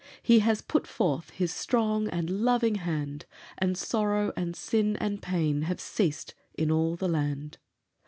He has put forth His strong and loving hand, And sorrow and sin and pain have ceased in all the land.